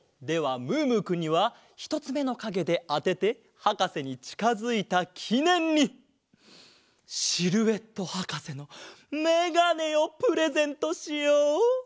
ではムームーくんにはひとつめのかげであててはかせにちかづいたきねんにシルエットはかせのメガネをプレゼントしよう！